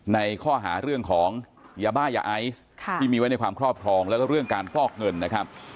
ในข้อหาเรื่องของยาบ้ายาไอซ์ที่มีไว้ในความครอบครองแล้วก็เรื่องการฟอกเงินนะครับ